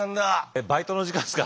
バイトの時間ですか？